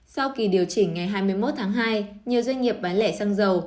sau kỳ điều chỉnh ngày hai mươi một tháng hai nhiều doanh nghiệp bán lẻ xăng dầu